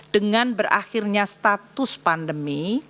dengan berakhirnya status pandemi